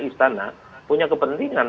istana punya kepentingan